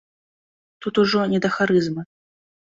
Тут ужо не да харызмы.